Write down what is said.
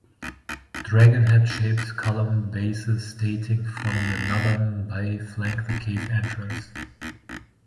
Dragon-head shaped column bases dating from the Northern Wei flank the cave entrance.